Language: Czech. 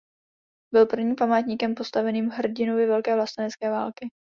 Byl prvním památníkem postaveným hrdinovi Velké vlastenecké války.